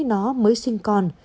nó mới sinh con